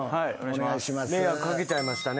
迷惑掛けちゃいましたね。